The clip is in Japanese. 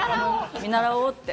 見習おうって。